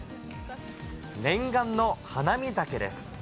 念願の花見酒です。